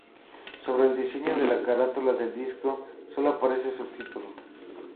Sobre el diseño de la carátula del disco, sólo aparece su título.